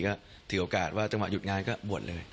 ก็ถือโอกาสว่าจังหวะหยุดงานก็บวชเลย